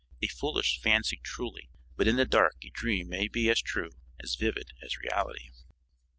A foolish fancy, truly, but in the dark a dream may be as true, as vivid as reality.